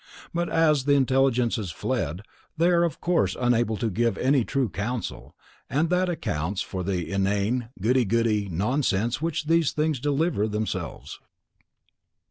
But as the intelligence has fled, they are of course unable to give any true counsel, and that accounts for the inane, goody goody nonsense of which these things deliver themselves.